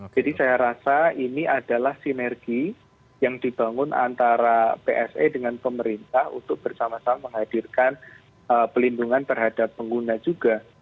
jadi saya rasa ini adalah sinergi yang dibangun antara psa dengan pemerintah untuk bersama sama menghadirkan pelindungan terhadap pengguna juga